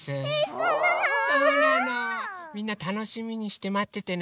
みんなたのしみにしてまっててね。